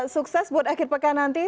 sukses buat akhir pekan nanti